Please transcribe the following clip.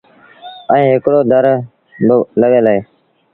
ائيٚݩ هڪڙو در بالڳل اهي۔